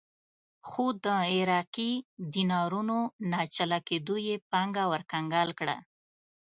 خو د عراقي دینارونو ناچله کېدو یې پانګه ورکنګال کړه.